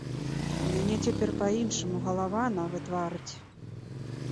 У мяне цяпер па-іншаму галава нават варыць.